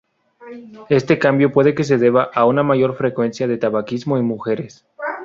Este cambio puede que se deba a una mayor frecuencia de tabaquismo en mujeres.